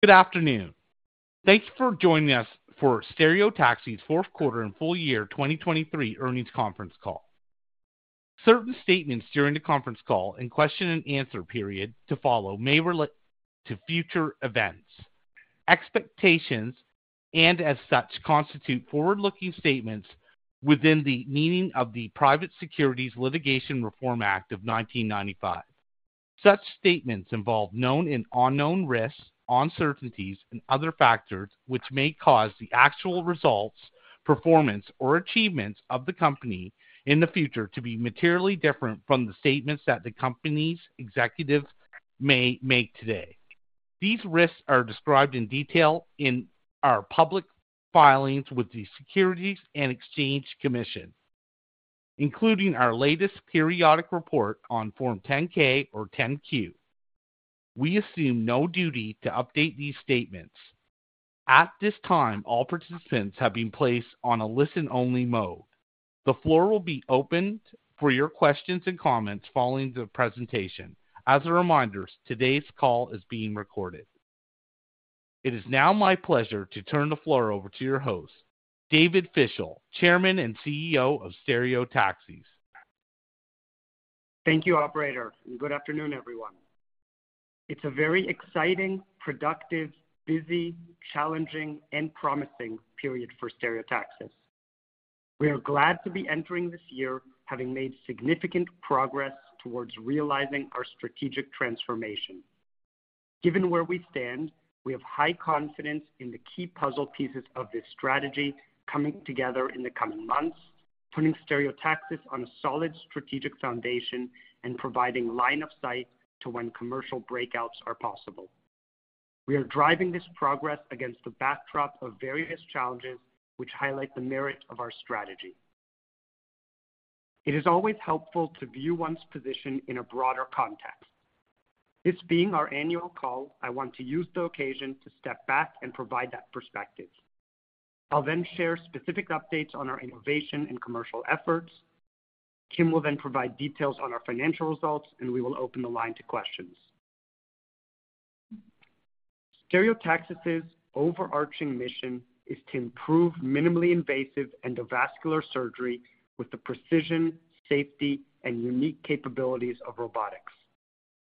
Good afternoon. Thanks for joining us for Stereotaxis' fourth quarter and full year 2023 earnings conference call. Certain statements during the conference call and question-and-answer period to follow may relate to future events, expectations, and as such, constitute forward-looking statements within the meaning of the Private Securities Litigation Reform Act of 1995. Such statements involve known and unknown risks, uncertainties, and other factors which may cause the actual results, performance, or achievements of the company in the future to be materially different from the statements that the company's executives may make today. These risks are described in detail in our public filings with the Securities and Exchange Commission, including our latest periodic report on Form 10-K or 10-Q. We assume no duty to update these statements. At this time, all participants have been placed on a listen-only mode. The floor will be opened for your questions and comments following the presentation. As a reminder, today's call is being recorded. It is now my pleasure to turn the floor over to your host, David Fischel, Chairman and CEO of Stereotaxis. Thank you, Operator, and good afternoon, everyone. It's a very exciting, productive, busy, challenging, and promising period for Stereotaxis. We are glad to be entering this year having made significant progress towards realizing our strategic transformation. Given where we stand, we have high confidence in the key puzzle pieces of this strategy coming together in the coming months, putting Stereotaxis on a solid strategic foundation, and providing line of sight to when commercial breakouts are possible. We are driving this progress against the backdrop of various challenges which highlight the merit of our strategy. It is always helpful to view one's position in a broader context. This being our annual call, I want to use the occasion to step back and provide that perspective. I'll then share specific updates on our innovation and commercial efforts. Kim will then provide details on our financial results, and we will open the line to questions. Stereotaxis's overarching mission is to improve minimally invasive endovascular surgery with the precision, safety, and unique capabilities of robotics.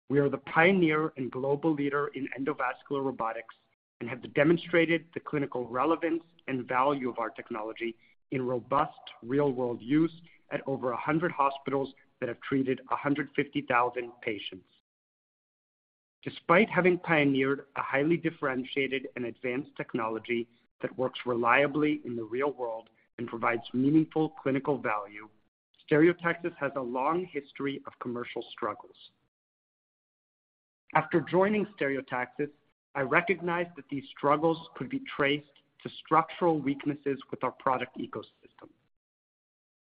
We are the pioneer and global leader in endovascular robotics and have demonstrated the clinical relevance and value of our technology in robust, real-world use at over 100 hospitals that have treated 150,000 patients. Despite having pioneered a highly differentiated and advanced technology that works reliably in the real world and provides meaningful clinical value, Stereotaxis has a long history of commercial struggles. After joining Stereotaxis, I recognized that these struggles could be traced to structural weaknesses with our product ecosystem.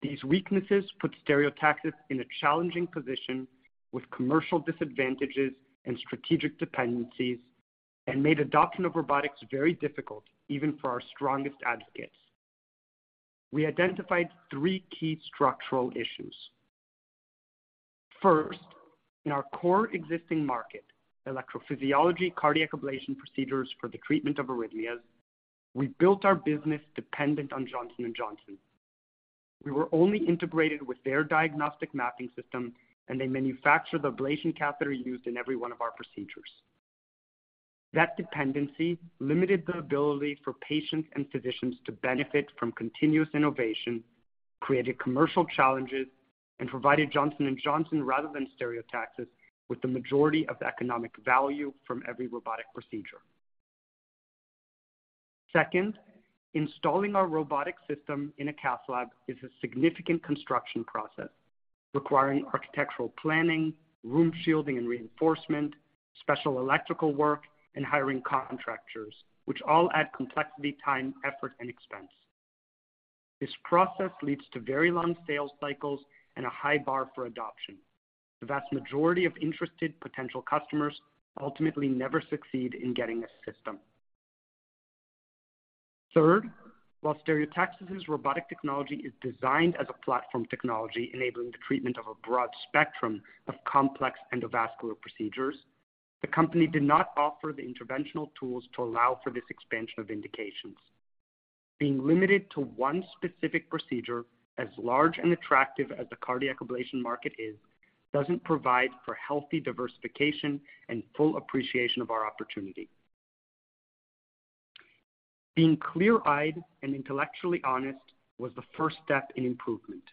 These weaknesses put Stereotaxis in a challenging position with commercial disadvantages and strategic dependencies and made adoption of robotics very difficult even for our strongest advocates. We identified three key structural issues. First, in our core existing market, electrophysiology cardiac ablation procedures for the treatment of arrhythmias, we built our business dependent on Johnson & Johnson. We were only integrated with their diagnostic mapping system, and they manufacture the ablation catheter used in every one of our procedures. That dependency limited the ability for patients and physicians to benefit from continuous innovation, created commercial challenges, and provided Johnson & Johnson rather than Stereotaxis with the majority of economic value from every robotic procedure. Second, installing our robotic system in a cath lab is a significant construction process, requiring architectural planning, room shielding and reinforcement, special electrical work, and hiring contractors, which all add complexity, time, effort, and expense. This process leads to very long sales cycles and a high bar for adoption. The vast majority of interested potential customers ultimately never succeed in getting a system. Third, while Stereotaxis's robotic technology is designed as a platform technology enabling the treatment of a broad spectrum of complex endovascular procedures, the company did not offer the interventional tools to allow for this expansion of indications. Being limited to one specific procedure, as large and attractive as the cardiac ablation market is, doesn't provide for healthy diversification and full appreciation of our opportunity. Being clear-eyed and intellectually honest was the first step in improvement.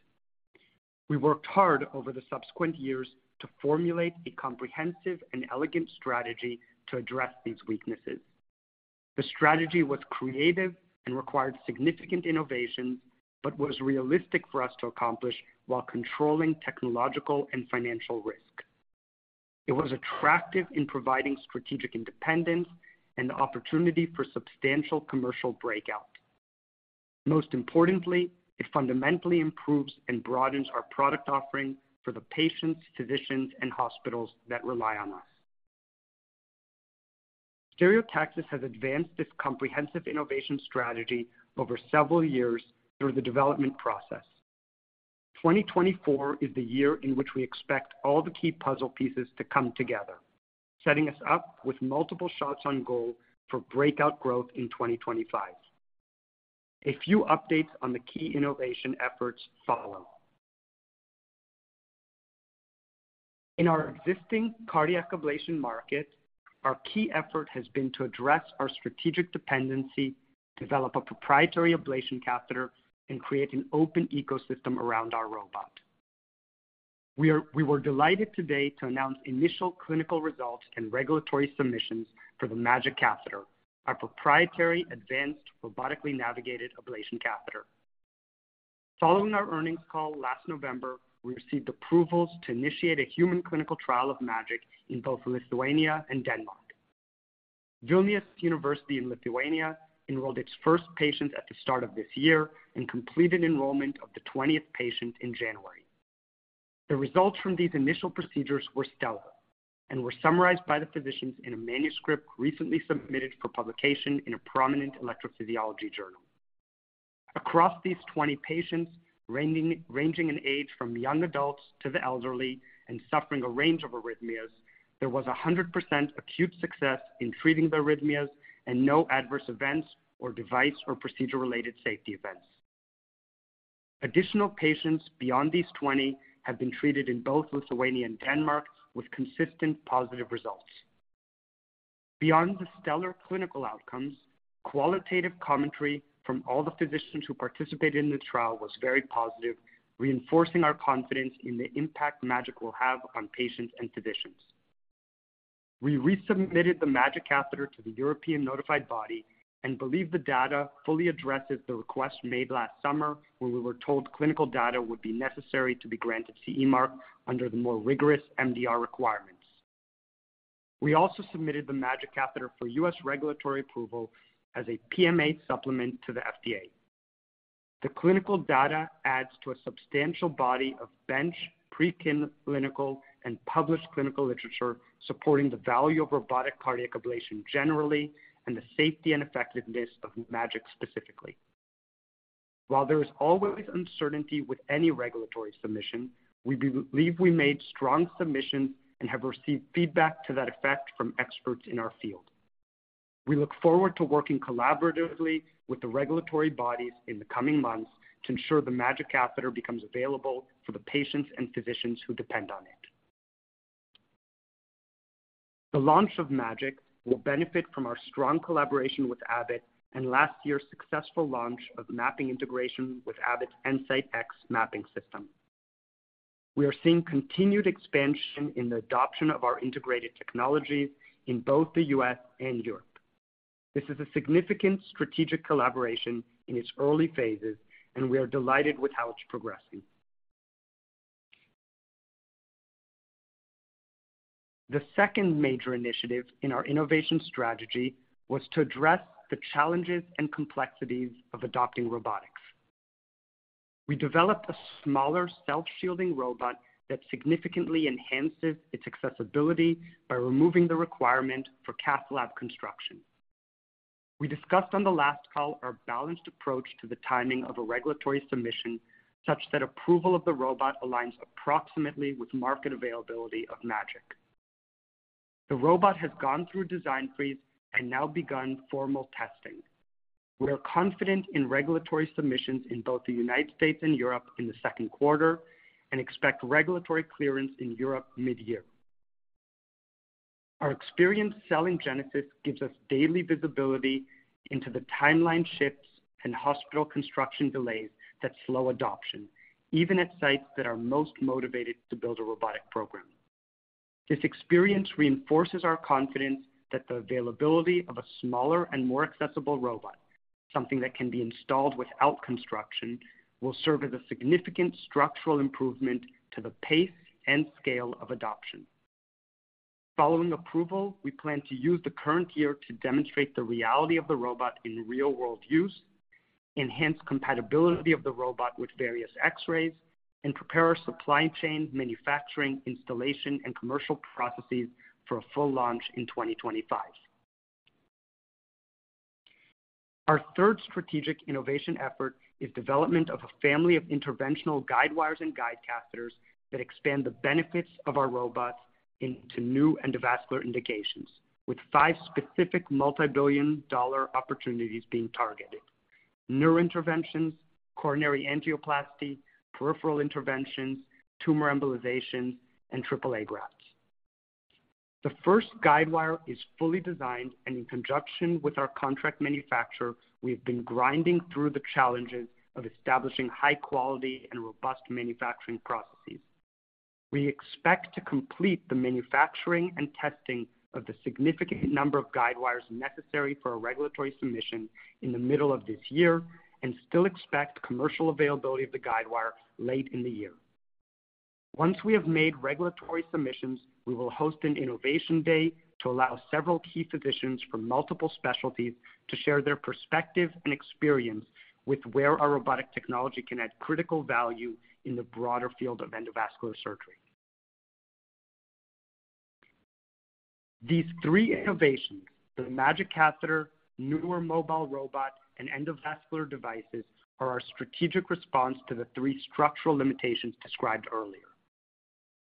We worked hard over the subsequent years to formulate a comprehensive and elegant strategy to address these weaknesses. The strategy was creative and required significant innovations but was realistic for us to accomplish while controlling technological and financial risk. It was attractive in providing strategic independence and the opportunity for substantial commercial breakouts. Most importantly, it fundamentally improves and broadens our product offering for the patients, physicians, and hospitals that rely on us. Stereotaxis has advanced this comprehensive innovation strategy over several years through the development process. 2024 is the year in which we expect all the key puzzle pieces to come together, setting us up with multiple shots on goal for breakout growth in 2025. A few updates on the key innovation efforts follow. In our existing cardiac ablation market, our key effort has been to address our strategic dependency, develop a proprietary ablation catheter, and create an open ecosystem around our robot. We were delighted today to announce initial clinical results and regulatory submissions for the MAGiC catheter, our proprietary advanced robotically navigated ablation catheter. Following our earnings call last November, we received approvals to initiate a human clinical trial of MAGiC in both Lithuania and Denmark. Vilnius University in Lithuania enrolled its first patients at the start of this year and completed enrollment of the 20th patient in January. The results from these initial procedures were stellar and were summarized by the physicians in a manuscript recently submitted for publication in a prominent electrophysiology journal. Across these 20 patients, ranging in age from young adults to the elderly and suffering a range of arrhythmias, there was 100% acute success in treating the arrhythmias and no adverse events or device or procedure-related safety events. Additional patients beyond these 20 have been treated in both Lithuania and Denmark with consistent positive results. Beyond the stellar clinical outcomes, qualitative commentary from all the physicians who participated in the trial was very positive, reinforcing our confidence in the impact MAGiC will have on patients and physicians. We resubmitted the MAGiC catheter to the European Notified Body and believe the data fully addresses the request made last summer when we were told clinical data would be necessary to be granted CE Mark under the more rigorous MDR requirements. We also submitted the MAGiC catheter for U.S. regulatory approval as a PMA supplement to the FDA. The clinical data adds to a substantial body of bench, pre-clinical, and published clinical literature supporting the value of robotic cardiac ablation generally and the safety and effectiveness of MAGiC specifically. While there is always uncertainty with any regulatory submission, we believe we made strong submissions and have received feedback to that effect from experts in our field. We look forward to working collaboratively with the regulatory bodies in the coming months to ensure the MAGiC catheter becomes available for the patients and physicians who depend on it. The launch of MAGiC will benefit from our strong collaboration with Abbott and last year's successful launch of mapping integration with Abbott's EnSite X mapping system. We are seeing continued expansion in the adoption of our integrated technologies in both the U.S. and Europe. This is a significant strategic collaboration in its early phases, and we are delighted with how it's progressing. The second major initiative in our innovation strategy was to address the challenges and complexities of adopting robotics. We developed a smaller self-shielding robot that significantly enhances its accessibility by removing the requirement for cath lab construction. We discussed on the last call our balanced approach to the timing of a regulatory submission such that approval of the robot aligns approximately with market availability of MAGiC. The robot has gone through design freeze and now begun formal testing. We are confident in regulatory submissions in both the United States and Europe in the second quarter and expect regulatory clearance in Europe mid-year. Our experience selling Genesis gives us daily visibility into the timeline shifts and hospital construction delays that slow adoption, even at sites that are most motivated to build a robotic program. This experience reinforces our confidence that the availability of a smaller and more accessible robot, something that can be installed without construction, will serve as a significant structural improvement to the pace and scale of adoption. Following approval, we plan to use the current year to demonstrate the reality of the robot in real-world use, enhance compatibility of the robot with various X-rays, and prepare our supply chain, manufacturing, installation, and commercial processes for a full launch in 2025. Our third strategic innovation effort is development of a family of interventional guidewires and guide catheters that expand the benefits of our robots into new endovascular indications, with five specific multi-billion dollar opportunities being targeted: neurointerventions, coronary angioplasty, peripheral interventions, tumor embolizations, and AAA grafts. The first guidewire is fully designed, and in conjunction with our contract manufacturer, we have been grinding through the challenges of establishing high-quality and robust manufacturing processes. We expect to complete the manufacturing and testing of the significant number of guidewires necessary for a regulatory submission in the middle of this year and still expect commercial availability of the guidewire late in the year. Once we have made regulatory submissions, we will host an innovation day to allow several key physicians from multiple specialties to share their perspective and experience with where our robotic technology can add critical value in the broader field of endovascular surgery. These three innovations, the MAGiC catheter, newer mobile robot, and endovascular devices, are our strategic response to the three structural limitations described earlier.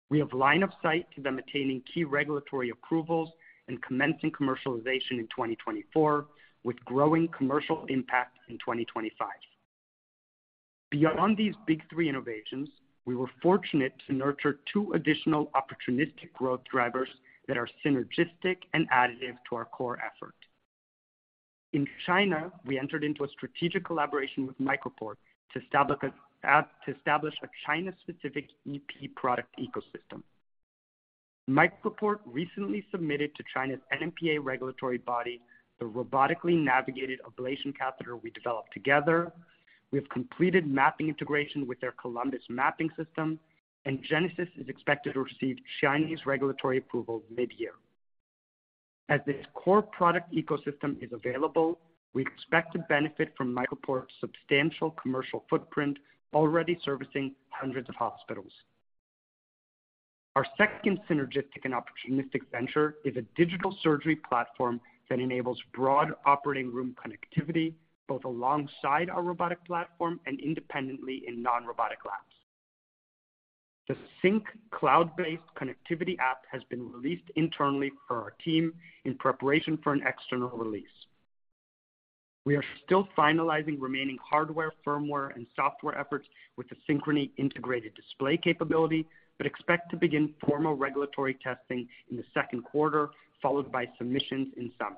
We have line of sight to them attaining key regulatory approvals and commencing commercialization in 2024, with growing commercial impact in 2025. Beyond these big three innovations, we were fortunate to nurture two additional opportunistic growth drivers that are synergistic and additive to our core effort. In China, we entered into a strategic collaboration with MicroPort to establish a China-specific EP product ecosystem. MicroPort recently submitted to China's NMPA regulatory body the robotically navigated ablation catheter we developed together. We have completed mapping integration with their Columbus mapping system, and Genesis is expected to receive Chinese regulatory approval mid-year. As this core product ecosystem is available, we expect to benefit from MicroPort's substantial commercial footprint already servicing hundreds of hospitals. Our second synergistic and opportunistic venture is a digital surgery platform that enables broad operating room connectivity, both alongside our robotic platform and independently in non-robotic labs. The Sync cloud-based connectivity app has been released internally for our team in preparation for an external release. We are still finalizing remaining hardware, firmware, and software efforts with the Synchrony integrated display capability but expect to begin formal regulatory testing in the second quarter, followed by submissions in summer.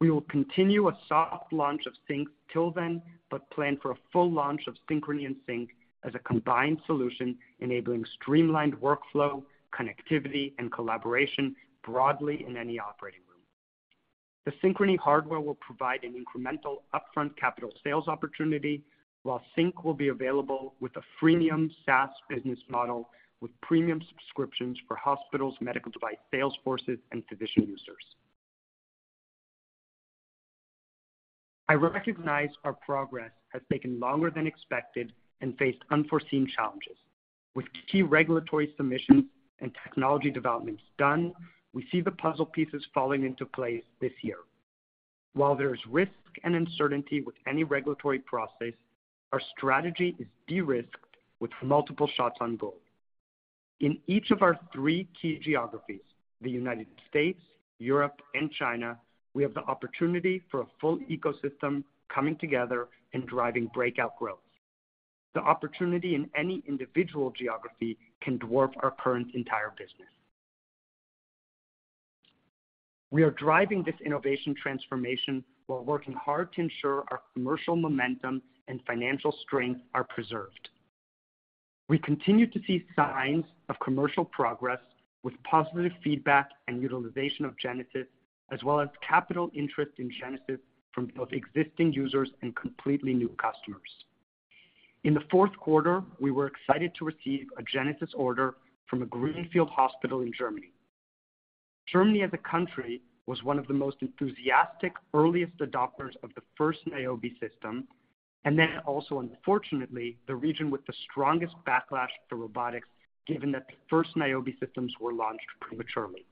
We will continue a soft launch of Sync till then but plan for a full launch of Synchrony and Sync as a combined solution enabling streamlined workflow, connectivity, and collaboration broadly in any operating room. The Synchrony hardware will provide an incremental upfront capital sales opportunity, while Sync will be available with a freemium SaaS business model with premium subscriptions for hospitals, medical device salesforces, and physician users. I recognize our progress has taken longer than expected and faced unforeseen challenges. With key regulatory submissions and technology developments done, we see the puzzle pieces falling into place this year. While there is risk and uncertainty with any regulatory process, our strategy is de-risked with multiple shots on goal. In each of our three key geographies, the United States, Europe, and China, we have the opportunity for a full ecosystem coming together and driving breakout growth. The opportunity in any individual geography can dwarf our current entire business. We are driving this innovation transformation while working hard to ensure our commercial momentum and financial strength are preserved. We continue to see signs of commercial progress with positive feedback and utilization of Genesis as well as capital interest in Genesis from both existing users and completely new customers. In the fourth quarter, we were excited to receive a Genesis order from a Greenfield hospital in Germany. Germany, as a country, was one of the most enthusiastic, earliest adopters of the first Niobe system, and then also, unfortunately, the region with the strongest backlash for robotics given that the first Niobe systems were launched prematurely.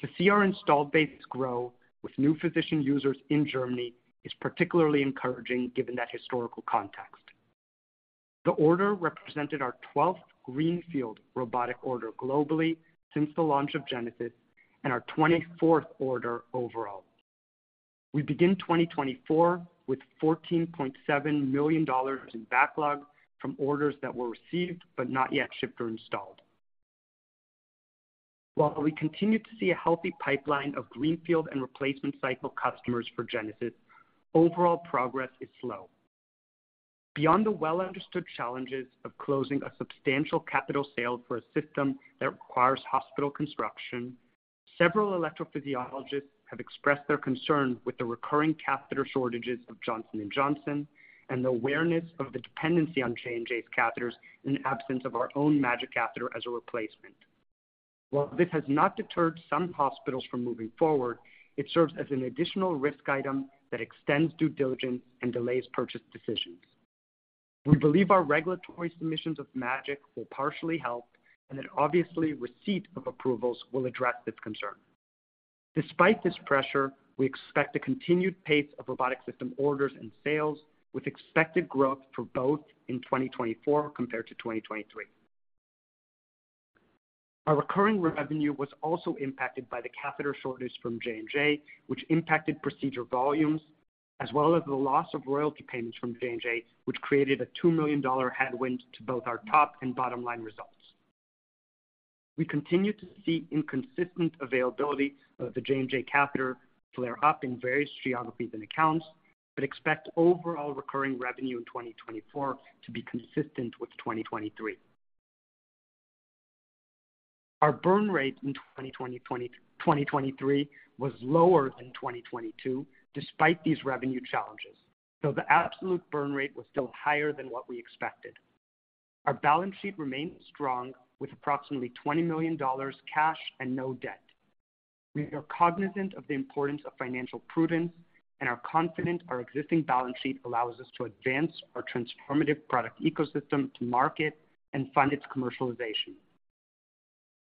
To see our installed base grow with new physician users in Germany is particularly encouraging given that historical context. The order represented our 12th Greenfield robotic order globally since the launch of Genesis and our 24th order overall. We begin 2024 with $14.7 million in backlog from orders that were received but not yet shipped or installed. While we continue to see a healthy pipeline of Greenfield and replacement cycle customers for Genesis, overall progress is slow. Beyond the well-understood challenges of closing a substantial capital sale for a system that requires hospital construction, several electrophysiologists have expressed their concern with the recurring catheter shortages of Johnson & Johnson and the awareness of the dependency on J&J's catheters in the absence of our own MAGIC catheter as a replacement. While this has not deterred some hospitals from moving forward, it serves as an additional risk item that extends due diligence and delays purchase decisions. We believe our regulatory submissions of MAGiC will partially help and that, obviously, receipt of approvals will address this concern. Despite this pressure, we expect a continued pace of robotic system orders and sales with expected growth for both in 2024 compared to 2023. Our recurring revenue was also impacted by the catheter shortage from J&J, which impacted procedure volumes, as well as the loss of royalty payments from J&J, which created a $2 million headwind to both our top and bottom line results. We continue to see inconsistent availability of the J&J catheter flare up in various geographies and accounts but expect overall recurring revenue in 2024 to be consistent with 2023. Our burn rate in 2023 was lower than 2022 despite these revenue challenges, though the absolute burn rate was still higher than what we expected. Our balance sheet remains strong with approximately $20 million cash and no debt. We are cognizant of the importance of financial prudence and are confident our existing balance sheet allows us to advance our transformative product ecosystem to market and fund its commercialization.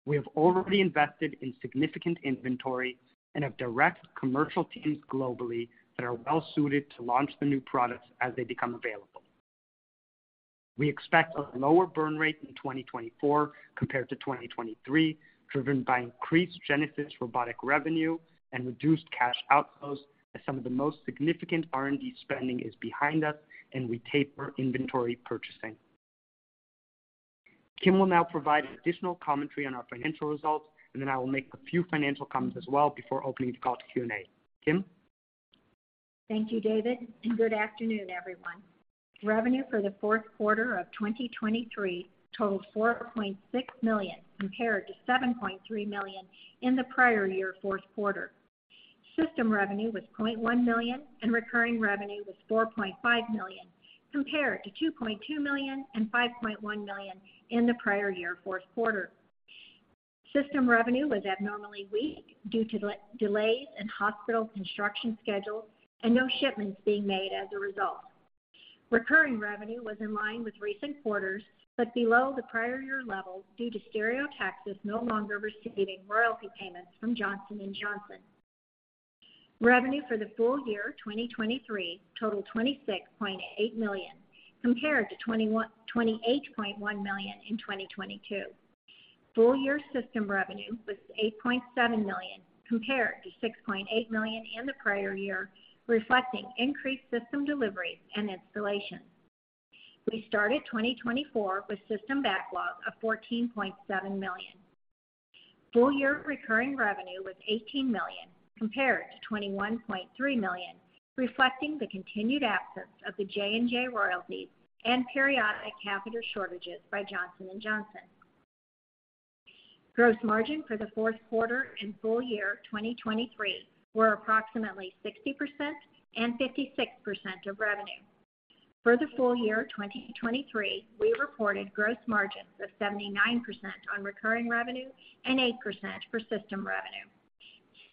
We have already invested in significant inventory and have direct commercial teams globally that are well-suited to launch the new products as they become available. We expect a lower burn rate in 2024 compared to 2023, driven by increased Genesis robotic revenue and reduced cash outflows as some of the most significant R&D spending is behind us and we taper inventory purchasing. Kim will now provide additional commentary on our financial results, and then I will make a few financial comments as well before opening the call to Q&A. Kim? Thank you, David, and good afternoon, everyone. Revenue for the fourth quarter of 2023 totaled $4.6 million compared to $7.3 million in the prior year fourth quarter. System revenue was $0.1 million, and recurring revenue was $4.5 million compared to $2.2 million and $5.1 million in the prior year fourth quarter. System revenue was abnormally weak due to delays in hospital construction schedules and no shipments being made as a result. Recurring revenue was in line with recent quarters but below the prior year level due to Stereotaxis no longer receiving royalty payments from Johnson & Johnson. Revenue for the full year 2023 totaled $26.8 million compared to $28.1 million in 2022. Full year system revenue was $8.7 million compared to $6.8 million in the prior year, reflecting increased system delivery and installation. We started 2024 with system backlog of $14.7 million. Full year recurring revenue was $18 million compared to $21.3 million, reflecting the continued absence of the J&J royalties and periodic catheter shortages by Johnson & Johnson. Gross margin for the fourth quarter and full year 2023 were approximately 60% and 56% of revenue. For the full year 2023, we reported gross margins of 79% on recurring revenue and 8% for system revenue.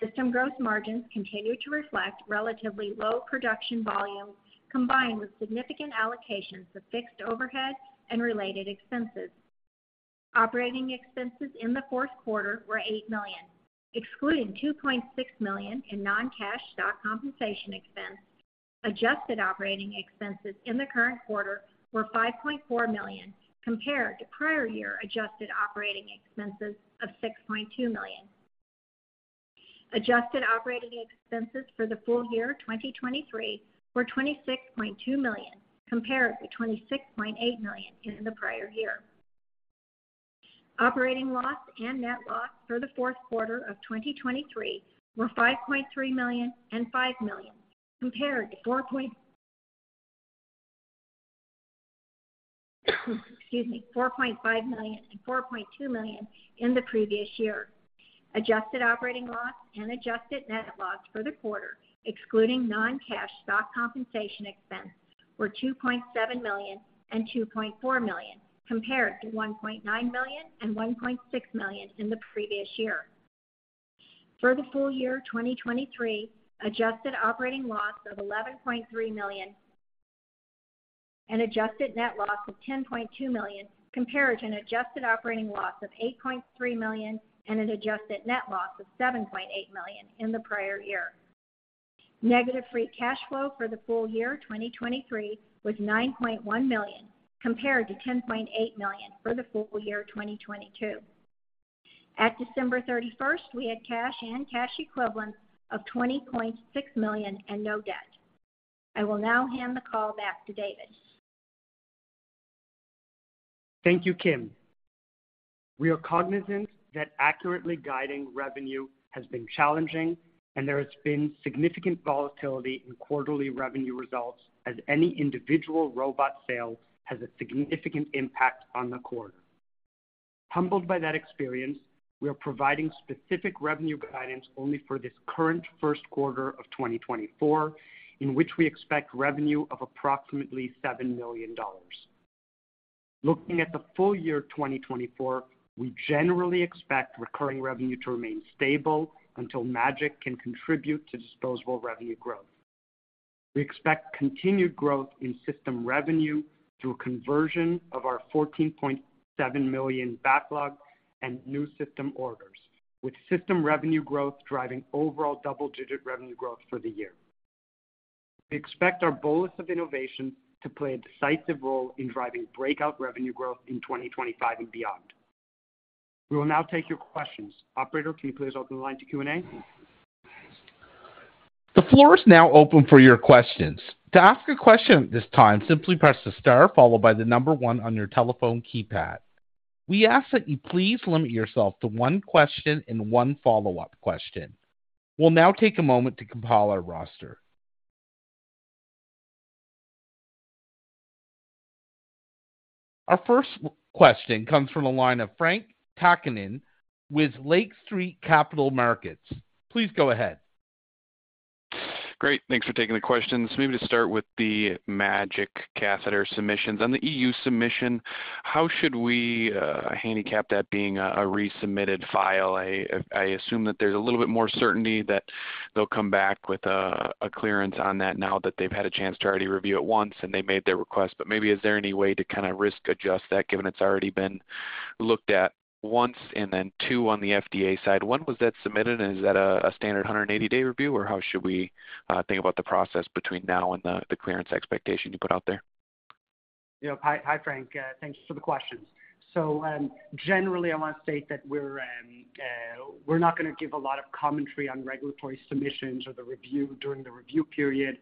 System gross margins continue to reflect relatively low production volume combined with significant allocations of fixed overhead and related expenses. Operating expenses in the fourth quarter were $8 million. Excluding $2.6 million in non-cash stock compensation expense, adjusted operating expenses in the current quarter were $5.4 million compared to prior year adjusted operating expenses of $6.2 million. Adjusted operating expenses for the full year 2023 were $26.2 million compared to $26.8 million in the prior year. Operating loss and net loss for the fourth quarter of 2023 were $5.3 million and $5 million compared to $4.5 million and $4.2 million in the previous year. Adjusted operating loss and adjusted net loss for the quarter, excluding non-cash stock compensation expense, were $2.7 million and $2.4 million compared to $1.9 million and $1.6 million in the previous year. For the full year 2023, adjusted operating loss of $11.3 million and adjusted net loss of $10.2 million compared to an adjusted operating loss of $8.3 million and an adjusted net loss of $7.8 million in the prior year. Negative free cash flow for the full year 2023 was $9.1 million compared to $10.8 million for the full year 2022. At December 31st, we had cash and cash equivalents of $20.6 million and no debt. I will now hand the call back to David. Thank you, Kim. We are cognizant that accurately guiding revenue has been challenging, and there has been significant volatility in quarterly revenue results as any individual robot sale has a significant impact on the quarter. Humbled by that experience, we are providing specific revenue guidance only for this current first quarter of 2024, in which we expect revenue of approximately $7 million. Looking at the full year 2024, we generally expect recurring revenue to remain stable until MAGiC can contribute to disposable revenue growth. We expect continued growth in system revenue through conversion of our $14.7 million backlog and new system orders, with system revenue growth driving overall double-digit revenue growth for the year. We expect our bolus of innovations to play a decisive role in driving breakout revenue growth in 2025 and beyond. We will now take your questions. Operator, can you please open the line to Q&A? The floor is now open for your questions. To ask a question at this time, simply press the star followed by the number one on your telephone keypad. We ask that you please limit yourself to one question and one follow-up question. We'll now take a moment to compile our roster. Our first question comes from the line of Frank Takkanen with Lake Street Capital Markets. Please go ahead. Great. Thanks for taking the questions. Maybe to start with the MAGiC catheter submissions. On the EU submission, how should we handicap that being a resubmitted file? I assume that there's a little bit more certainty that they'll come back with a clearance on that now that they've had a chance to already review it once and they made their request. But maybe is there any way to kind of risk-adjust that given it's already been looked at once? And then, two, on the FDA side, when was that submitted? And is that a standard 180-day review, or how should we think about the process between now and the clearance expectation you put out there? Hi, Frank. Thanks for the questions. So generally, I want to state that we're not going to give a lot of commentary on regulatory submissions or the review during the review period,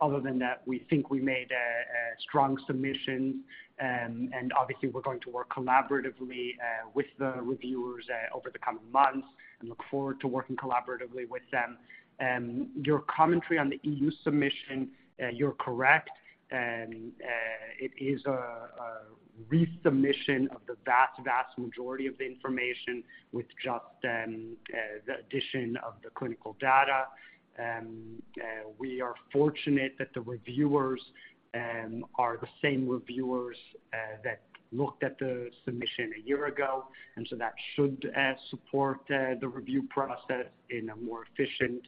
other than that we think we made strong submissions. And obviously, we're going to work collaboratively with the reviewers over the coming months and look forward to working collaboratively with them. Your commentary on the EU submission, you're correct. It is a resubmission of the vast, vast majority of the information with just the addition of the clinical data. We are fortunate that the reviewers are the same reviewers that looked at the submission a year ago, and so that should support the review process in a more efficient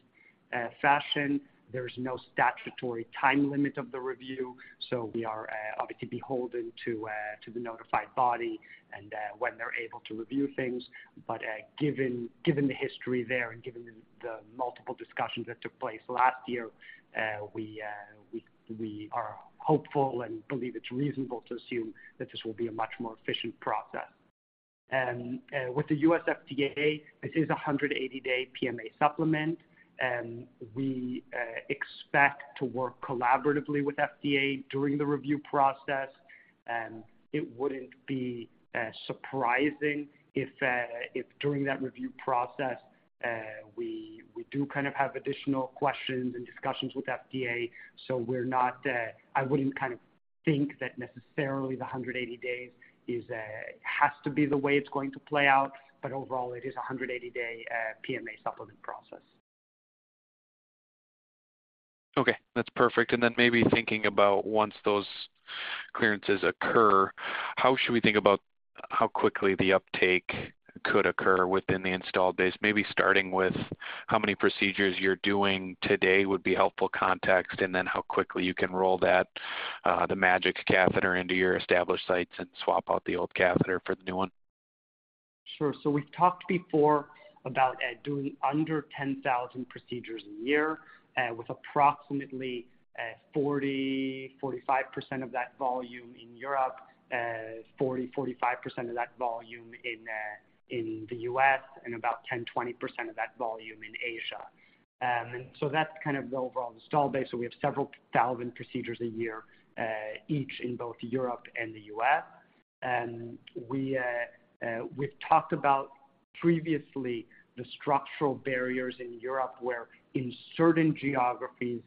fashion. There's no statutory time limit of the review, so we are obviously beholden to the Notified Body and when they're able to review things. But given the history there and given the multiple discussions that took place last year, we are hopeful and believe it's reasonable to assume that this will be a much more efficient process. With the U.S. FDA, this is a 180-day PMA supplement. We expect to work collaboratively with FDA during the review process. It wouldn't be surprising if during that review process we do kind of have additional questions and discussions with FDA. So I wouldn't kind of think that necessarily the 180 days has to be the way it's going to play out, but overall, it is a 180-day PMA supplement process. Okay. That's perfect. And then maybe thinking about once those clearances occur, how should we think about how quickly the uptake could occur within the installed base? Maybe starting with how many procedures you're doing today would be helpful context, and then how quickly you can roll the MAGiC catheter into your established sites and swap out the old catheter for the new one. Sure. So we've talked before about doing under 10,000 procedures a year, with approximately 40%-45% of that volume in Europe, 40%-45% of that volume in the U.S., and about 10%-20% of that volume in Asia. And so that's kind of the overall installed base. So we have several thousand procedures a year each in both Europe and the U.S. We've talked about previously the structural barriers in Europe where in certain geographies,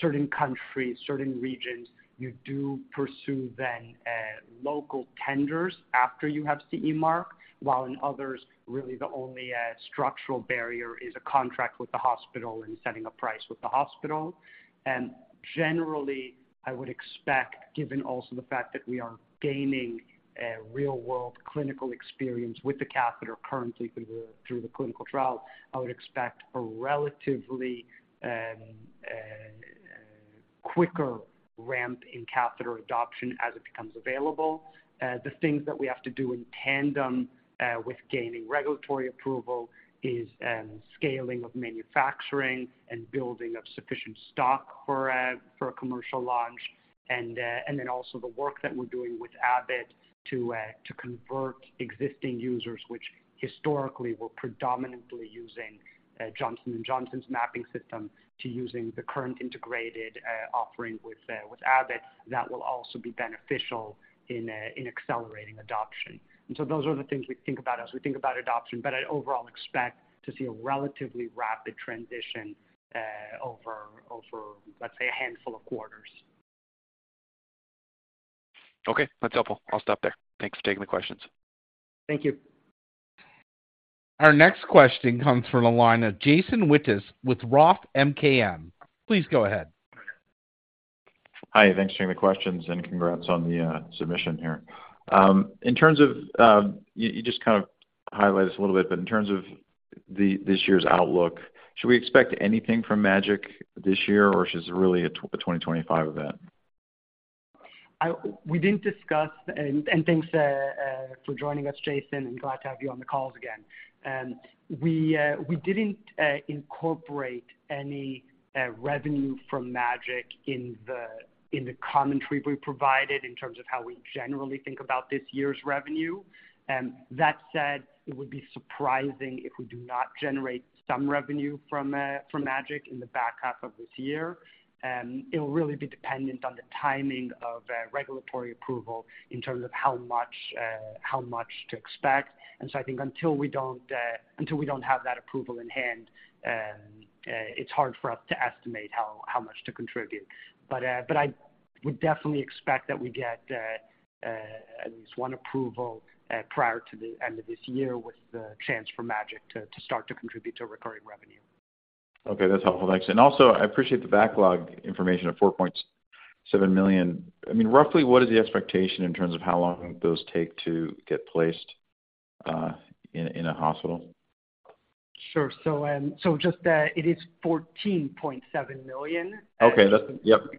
certain countries, certain regions, you do pursue then local tenders after you have CE Mark, while in others, really the only structural barrier is a contract with the hospital and setting a price with the hospital. Generally, I would expect, given also the fact that we are gaining real-world clinical experience with the catheter currently through the clinical trials, I would expect a relatively quicker ramp in catheter adoption as it becomes available. The things that we have to do in tandem with gaining regulatory approval is scaling of manufacturing and building of sufficient stock for a commercial launch, and then also the work that we're doing with Abbott to convert existing users, which historically were predominantly using Johnson & Johnson's mapping system to using the current integrated offering with Abbott, that will also be beneficial in accelerating adoption. And so those are the things we think about as we think about adoption. But I overall expect to see a relatively rapid transition over, let's say, a handful of quarters. Okay. That's helpful. I'll stop there. Thanks for taking the questions. Thank you. Our next question comes from the line of Jason Wittis with Roth MKM. Please go ahead. Hi. Thanks for taking the questions, and congrats on the submission here. In terms of you just kind of highlighted this a little bit, but in terms of this year's outlook, should we expect anything from MAGiC this year, or is this really a 2025 event? And thanks for joining us, Jason. And glad to have you on the calls again. We didn't incorporate any revenue from MAGiC in the commentary we provided in terms of how we generally think about this year's revenue. That said, it would be surprising if we do not generate some revenue from MAGiC in the back half of this year. It'll really be dependent on the timing of regulatory approval in terms of how much to expect. And so I think until we don't have that approval in hand, it's hard for us to estimate how much to contribute. But I would definitely expect that we get at least one approval prior to the end of this year with the chance for MAGiC to start to contribute to recurring revenue. Okay. That's helpful. Thanks. And also, I appreciate the backlog information of $4.7 million. I mean, roughly, what is the expectation in terms of how long those take to get placed in a hospital? Sure. So it is $14.7 million. Make sure the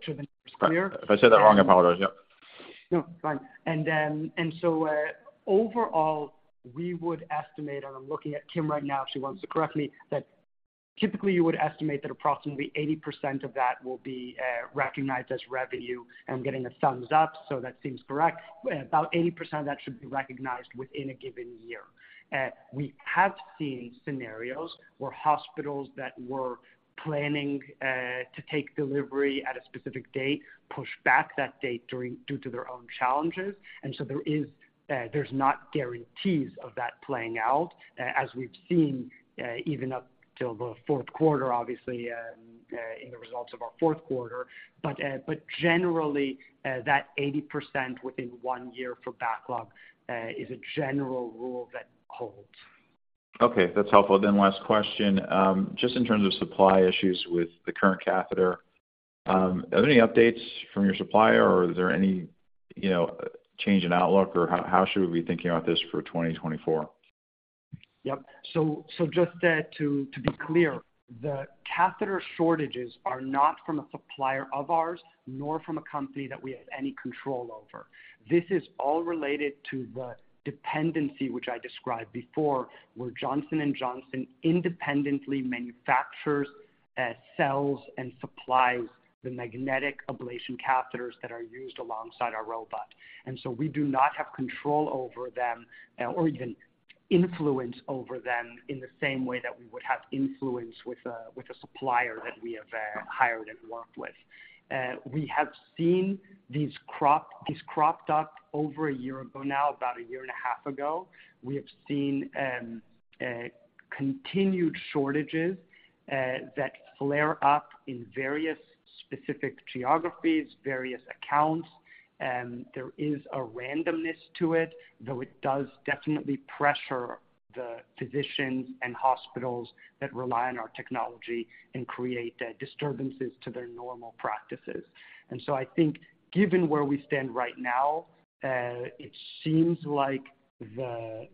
numbers are clear. Okay. If I said that wrong, I apologize. Yep. No. It's fine. And so overall, we would estimate and I'm looking at Kim right now if she wants to correct me, that typically you would estimate that approximately 80% of that will be recognized as revenue. And I'm getting a thumbs up, so that seems correct. About 80% of that should be recognized within a given year. We have seen scenarios where hospitals that were planning to take delivery at a specific date push back that date due to their own challenges. And so there's not guarantees of that playing out as we've seen even up till the fourth quarter, obviously, in the results of our fourth quarter. But generally, that 80% within one year for backlog is a general rule that holds. Okay. That's helpful. Then last question. Just in terms of supply issues with the current catheter, are there any updates from your supplier, or is there any change in outlook, or how should we be thinking about this for 2024? Yep. So just to be clear, the catheter shortages are not from a supplier of ours nor from a company that we have any control over. This is all related to the dependency, which I described before, where Johnson & Johnson independently manufactures, sells, and supplies the magnetic ablation catheters that are used alongside our robot. So we do not have control over them or even influence over them in the same way that we would have influence with a supplier that we have hired and worked with. We have seen these cropped up over a year ago now, about a year and a half ago. We have seen continued shortages that flare up in various specific geographies, various accounts. There is a randomness to it, though it does definitely pressure the physicians and hospitals that rely on our technology and create disturbances to their normal practices. I think given where we stand right now, it seems like the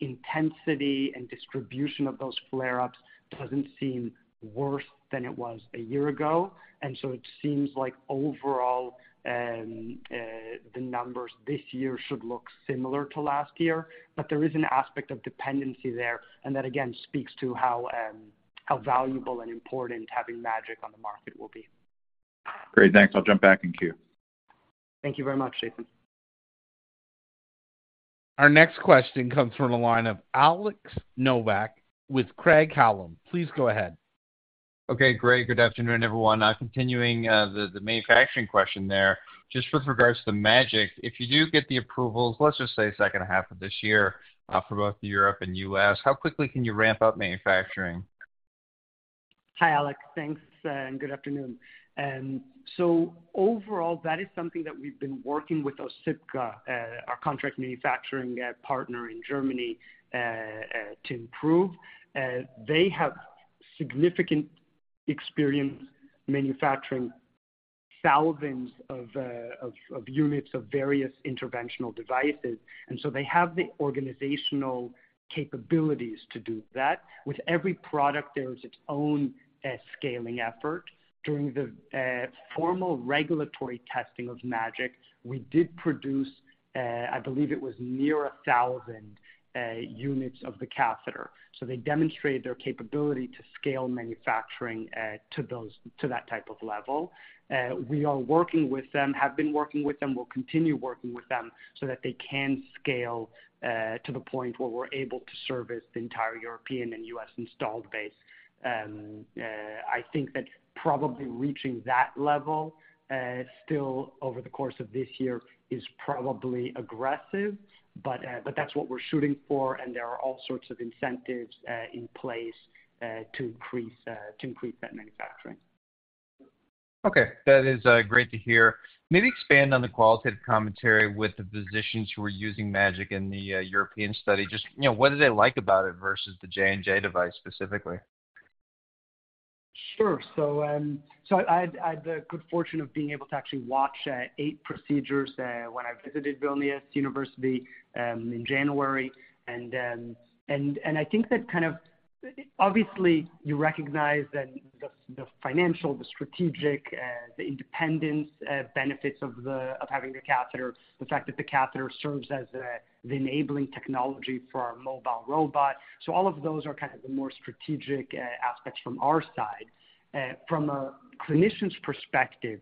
intensity and distribution of those flare-ups doesn't seem worse than it was a year ago. It seems like overall, the numbers this year should look similar to last year. But there is an aspect of dependency there, and that, again, speaks to how valuable and important having MAGiC on the market will be. Great. Thanks. I'll jump back in queue. Thank you very much, Jason. Our next question comes from the line of Alex Nowak with Craig-Hallum. Please go ahead. Okay. Great. Good afternoon, everyone. Continuing the manufacturing question there, just with regards to the MAGiC, if you do get the approvals, let's just say second half of this year for both Europe and U.S., how quickly can you ramp up manufacturing? Hi, Alex. Thanks. And good afternoon. So overall, that is something that we've been working with Osypka, our contract manufacturing partner in Germany, to improve. They have significant experience manufacturing thousands of units of various interventional devices. And so they have the organizational capabilities to do that. With every product, there is its own scaling effort. During the formal regulatory testing of MAGiC, we did produce, I believe it was near 1,000 units of the catheter. So they demonstrated their capability to scale manufacturing to that type of level. We are working with them, have been working with them, will continue working with them so that they can scale to the point where we're able to service the entire European and U.S. installed base. I think that probably reaching that level still over the course of this year is probably aggressive, but that's what we're shooting for. There are all sorts of incentives in place to increase that manufacturing. Okay. That is great to hear. Maybe expand on the qualitative commentary with the physicians who were using MAGiC in the European study. Just what did they like about it versus the J&J device specifically? Sure. So I had the good fortune of being able to actually watch eight procedures when I visited Vilnius University in January. And I think that kind of obviously, you recognize then the financial, the strategic, the independence benefits of having the catheter, the fact that the catheter serves as the enabling technology for our mobile robot. So all of those are kind of the more strategic aspects from our side. From a clinician's perspective,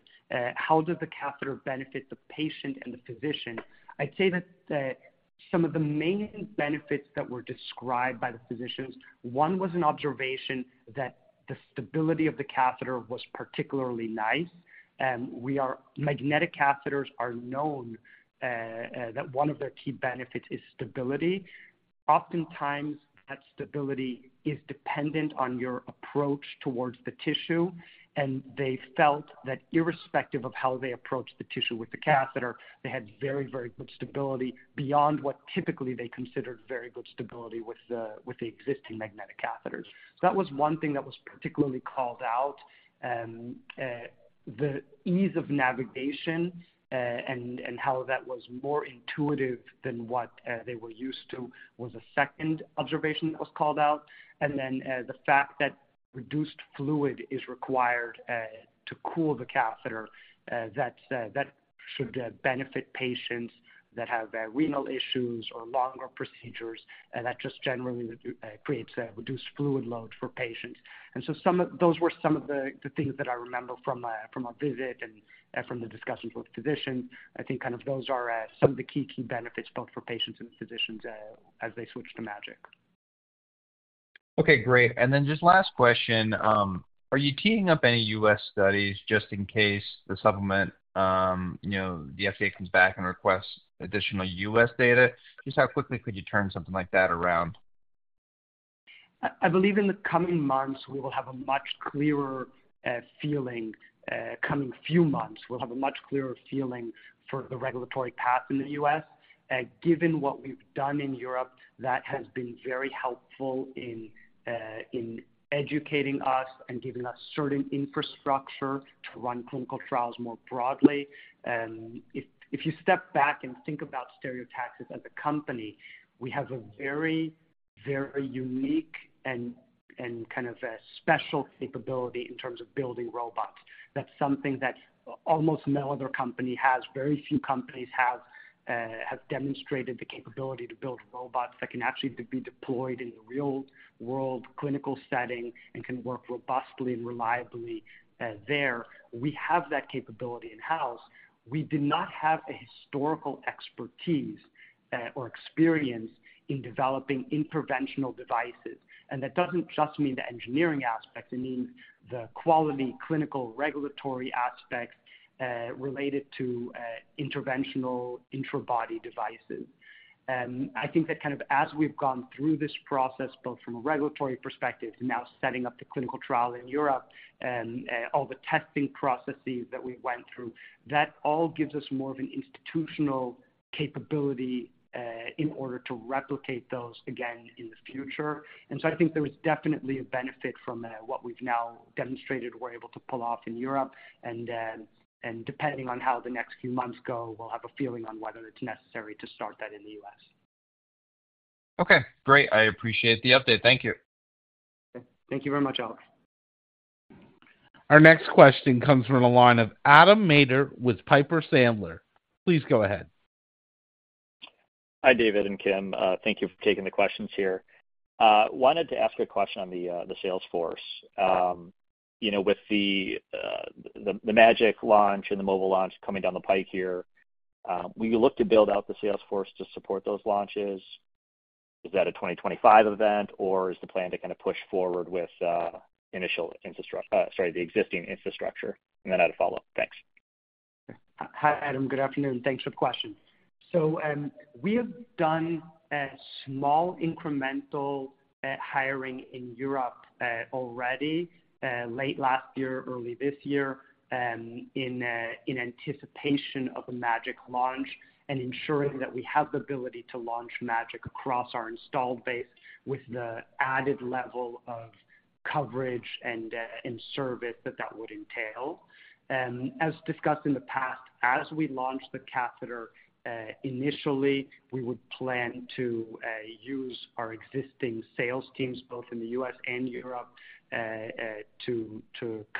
how does the catheter benefit the patient and the physician? I'd say that some of the main benefits that were described by the physicians, one was an observation that the stability of the catheter was particularly nice. Magnetic catheters are known that one of their key benefits is stability. Oftentimes, that stability is dependent on your approach towards the tissue. And they felt that irrespective of how they approached the tissue with the catheter, they had very, very good stability beyond what typically they considered very good stability with the existing magnetic catheters. So that was one thing that was particularly called out. The ease of navigation and how that was more intuitive than what they were used to was a second observation that was called out. And then the fact that reduced fluid is required to cool the catheter, that should benefit patients that have renal issues or longer procedures. That just generally creates a reduced fluid load for patients. So those were some of the things that I remember from our visit and from the discussions with physicians. I think kind of those are some of the key, key benefits both for patients and physicians as they switch to MAGiC. Okay. Great. And then just last question. Are you teeing up any U.S. studies just in case the supplement, the FDA comes back and requests additional U.S. data? Just how quickly could you turn something like that around? I believe in the coming months, we will have a much clearer feeling coming few months. We'll have a much clearer feeling for the regulatory path in the U.S. Given what we've done in Europe, that has been very helpful in educating us and giving us certain infrastructure to run clinical trials more broadly. If you step back and think about Stereotaxis as a company, we have a very, very unique and kind of special capability in terms of building robots. That's something that almost no other company has. Very few companies have demonstrated the capability to build robots that can actually be deployed in the real-world clinical setting and can work robustly and reliably there. We have that capability in-house. We did not have a historical expertise or experience in developing interventional devices. And that doesn't just mean the engineering aspects. It means the quality clinical regulatory aspects related to interventional intrabody devices. I think that kind of as we've gone through this process both from a regulatory perspective to now setting up the clinical trial in Europe, all the testing processes that we went through, that all gives us more of an institutional capability in order to replicate those again in the future. And so I think there is definitely a benefit from what we've now demonstrated we're able to pull off in Europe. And depending on how the next few months go, we'll have a feeling on whether it's necessary to start that in the U.S. Okay. Great. I appreciate the update. Thank you. Thank you very much, Alex. Our next question comes from the line of Adam Maeder with Piper Sandler. Please go ahead. Hi, David and Kim. Thank you for taking the questions here. Wanted to ask a question on the sales force. With the MAGiC launch and the mobile launch coming down the pike here, will you look to build out the sales force to support those launches? Is that a 2025 event, or is the plan to kind of push forward with initial infrastructure sorry, the existing infrastructure? And then I'd follow up. Thanks. Hi, Adam. Good afternoon. Thanks for the question. So we have done small incremental hiring in Europe already late last year, early this year in anticipation of the MAGiC launch and ensuring that we have the ability to launch MAGiC across our installed base with the added level of coverage and service that that would entail. As discussed in the past, as we launch the catheter initially, we would plan to use our existing sales teams both in the U.S. and Europe to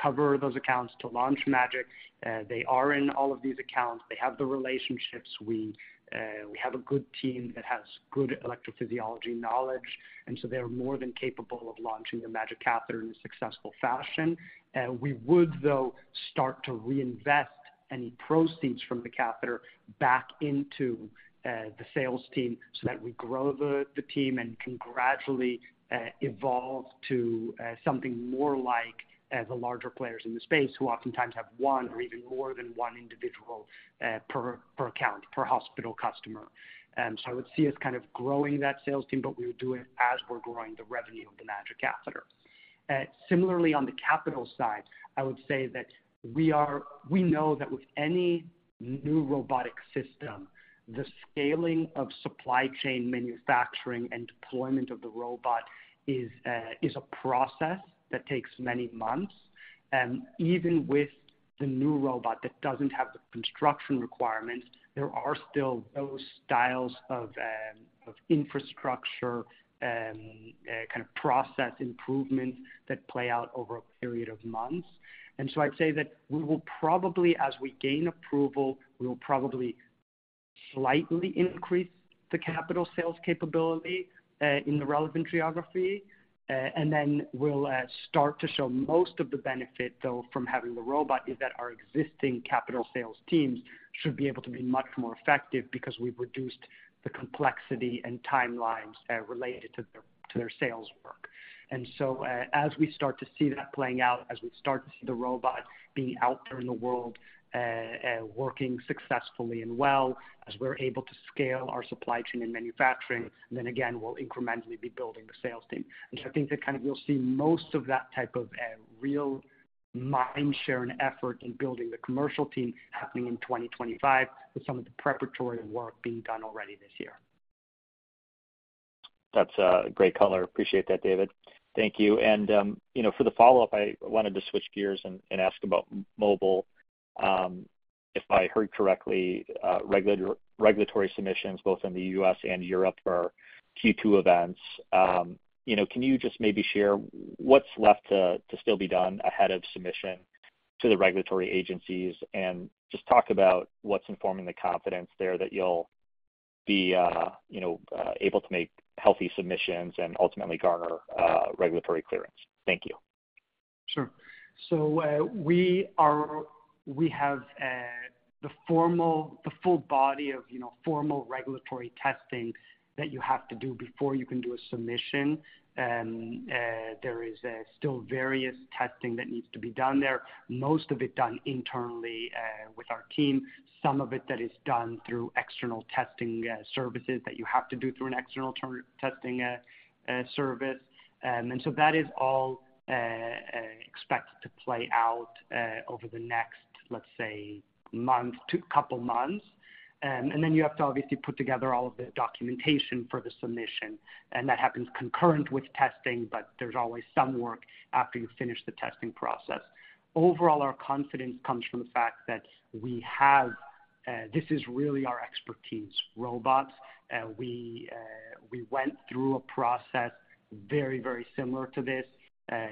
cover those accounts, to launch MAGiC. They are in all of these accounts. They have the relationships. We have a good team that has good electrophysiology knowledge. And so they are more than capable of launching the MAGiC catheter in a successful fashion. We would, though, start to reinvest any proceeds from the catheter back into the sales team so that we grow the team and can gradually evolve to something more like the larger players in the space who oftentimes have one or even more than one individual per account, per hospital customer. So I would see us kind of growing that sales team, but we would do it as we're growing the revenue of the MAGiC catheter. Similarly, on the capital side, I would say that we know that with any new robotic system, the scaling of supply chain manufacturing and deployment of the robot is a process that takes many months. Even with the new robot that doesn't have the construction requirements, there are still those styles of infrastructure kind of process improvements that play out over a period of months. And so I'd say that we will probably, as we gain approval, we will probably slightly increase the capital sales capability in the relevant geography. And then we'll start to show most of the benefit, though, from having the robot is that our existing capital sales teams should be able to be much more effective because we've reduced the complexity and timelines related to their sales work. And so as we start to see that playing out, as we start to see the robot being out there in the world working successfully and well, as we're able to scale our supply chain and manufacturing, then again, we'll incrementally be building the sales team. I think that kind of you'll see most of that type of real mindshare and effort in building the commercial team happening in 2025 with some of the preparatory work being done already this year. That's a great color. Appreciate that, David. Thank you. For the follow-up, I wanted to switch gears and ask about mobile. If I heard correctly, regulatory submissions both in the U.S. and Europe for Q2 events. Can you just maybe share what's left to still be done ahead of submission to the regulatory agencies and just talk about what's informing the confidence there that you'll be able to make healthy submissions and ultimately garner regulatory clearance? Thank you. Sure. We have the full body of formal regulatory testing that you have to do before you can do a submission. There is still various testing that needs to be done there, most of it done internally with our team, some of it that is done through external testing services that you have to do through an external testing service. So that is all expected to play out over the next, let's say, month, couple of months. Then you have to obviously put together all of the documentation for the submission. That happens concurrent with testing, but there's always some work after you finish the testing process. Overall, our confidence comes from the fact that we have. This is really our expertise, robots. We went through a process very, very similar to this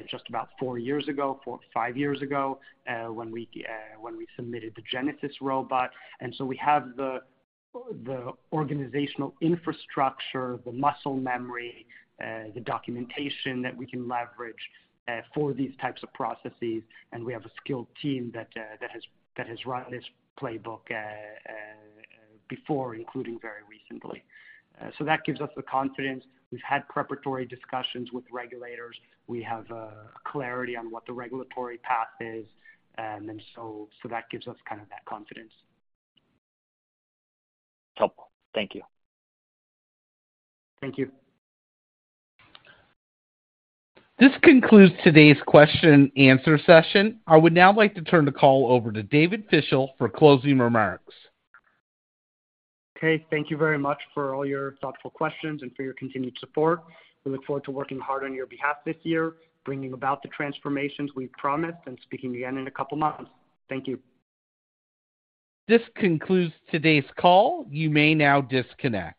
just about four years ago, five years ago when we submitted the Genesis robot. We have the organizational infrastructure, the muscle memory, the documentation that we can leverage for these types of processes. And we have a skilled team that has run this playbook before, including very recently. So that gives us the confidence. We've had preparatory discussions with regulators. We have clarity on what the regulatory path is. And so that gives us kind of that confidence. Helpful. Thank you. Thank you. This concludes today's question-and-answer session. I would now like to turn the call over to David Fischel for closing remarks. Okay. Thank you very much for all your thoughtful questions and for your continued support. We look forward to working hard on your behalf this year, bringing about the transformations we've promised, and speaking again in a couple of months. Thank you. This concludes today's call. You may now disconnect.